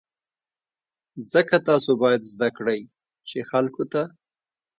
ځکه تاسو باید زده کړئ چې خلکو ته.